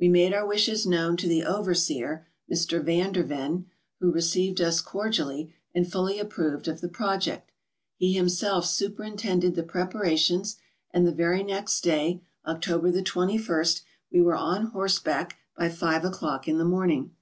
We made our wishes ASCENT OF THE GUNUNG. 245 known to tlie overseer, ]Mr. Van der Yen, who re¬ ceived us cordially, and fully approved of the pro iect. He himself superintended the preparations, and the very next day, October the 21st, we were on horseback by five o'clock in the morning.